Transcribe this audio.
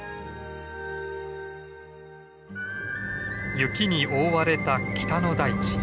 雪に覆われた北の大地。